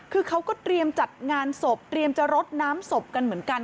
คือเขาก็เตรียมจัดงานศพเตรียมจะรดน้ำศพกันเหมือนกัน